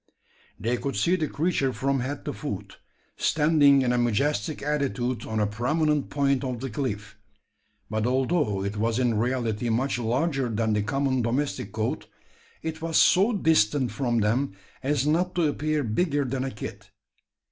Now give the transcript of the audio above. They could see the creature from head to foot, standing in a majestic attitude on a prominent point of the cliff; but although it was in reality much larger than the common domestic goat, it was so distant from them as not to appear bigger than a kid.